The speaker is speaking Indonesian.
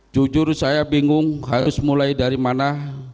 jujur saya bingung harus mulai dari mana